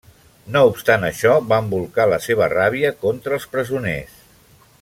No obstant això, van bolcar la seva ràbia contra els presoners.